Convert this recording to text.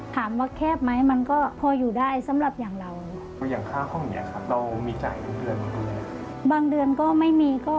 ถามว่าแคบไหมมันก็พออยู่ได้สำหรับอย่างเรา